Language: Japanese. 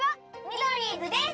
ミドリーズです！